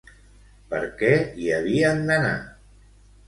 Per què hi havien d'anar?